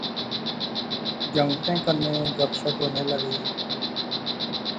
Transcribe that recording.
جنگتیں کنے گپ شپ ہونے لغی